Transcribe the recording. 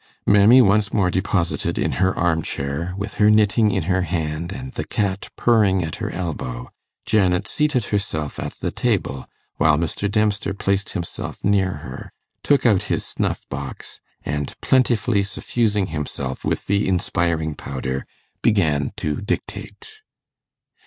Mammy once more deposited in her arm chair, with her knitting in her hand, and the cat purring at her elbow, Janet seated herself at the table, while Mr. Dempster placed himself near her, took out his snuff box, and plentifully suffusing himself with the inspiring powder, began to dictate.